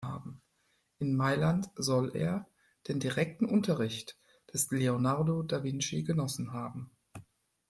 In Mailand soll er den direkten Unterricht des Leonardo da Vinci genossen haben.